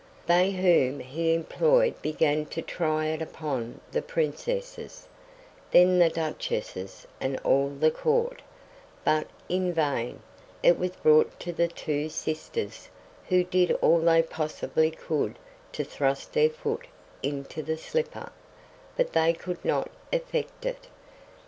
They whom he employed began to try it upon the princesses, then the duchesses and all the Court, but in vain; it was brought to the two sisters, who did all they possibly could to thrust their foot into the slipper, but they could not effect it.